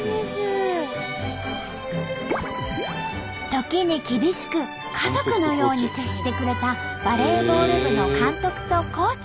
時に厳しく家族のように接してくれたバレーボール部の監督とコーチ。